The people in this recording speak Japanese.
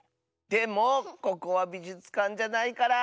でもここはびじゅつかんじゃないから。